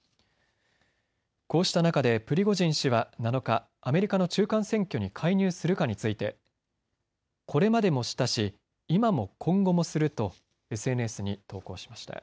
こうした中でプリゴジン氏は７日、アメリカの中間選挙に介入するかについてこれまでもしたし今も今後もするとＳＮＳに投稿しました。